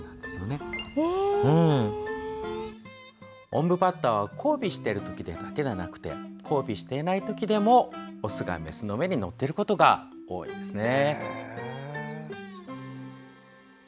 オンブバッタは交尾している時だけではなくて交尾していない時でもオスがメスの上に乗っていることが多いんですね。